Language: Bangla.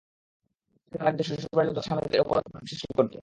মুক্তিকে তালাক দিতে শ্বশুরবাড়ির লোকজন তাঁর স্বামীর ওপরও চাপ সৃষ্টি করত।